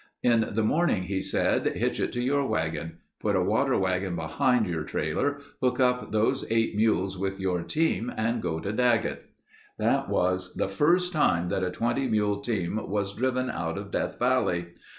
'In the morning,' he said, 'hitch it to your wagon. Put a water wagon behind your trailer, hook up those eight mules with your team and go to Daggett.' "That was the first time that a 20 mule team was driven out of Death Valley.